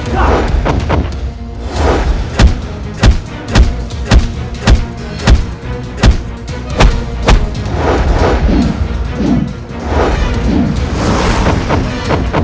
kau tidak tahu